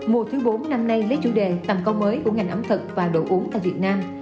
mùa thứ bốn năm nay lấy chủ đề tầm công mới của ngành ẩm thực và đồ uống tại việt nam